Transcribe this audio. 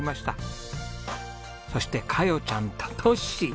そしてカヨちゃんとトッシー！